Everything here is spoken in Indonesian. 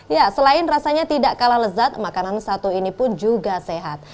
ya selain rasanya tidak kalah lezat makanan satu ini pun juga sehat